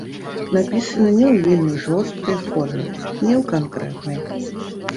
Напісана не ў вельмі жорсткай форме, не ў канкрэтнай.